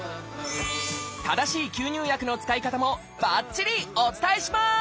正しい吸入薬の使い方もばっちりお伝えします！